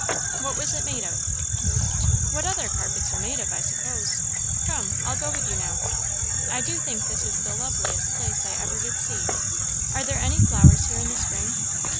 "What was it made of?" "What other carpets are made of, I suppose. Come, I'll go with you now. I do think this is the loveliest place I ever did see. Are there any flowers here in the spring?"